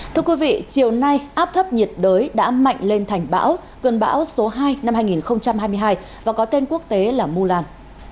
thưa quý vị chiều nay áp thấp nhiệt đới đã mạnh lên thành bão cơn bão số hai năm hai nghìn hai mươi hai và có tên quốc tế là mulan